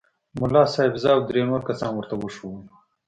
ملا صاحب زه او درې نور کسان ورته وښوولو.